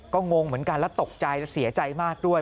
ก็งงเหมือนกันและตกใจและเสียใจมากด้วย